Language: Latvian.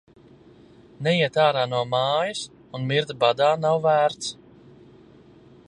Neiet ārā no mājas un mirt badā nav vērts.